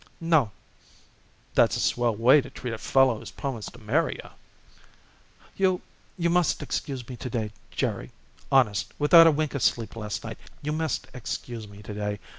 "No." "That's a swell way to treat a fellow who's promised to marry you." "You you must excuse me to day, Jerry. Honest, without a wink of sleep last night you must excuse me to day.